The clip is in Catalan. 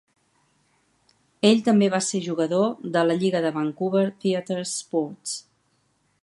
Ell també va ser jugador de la Lliga de Vancouver TheatreSports.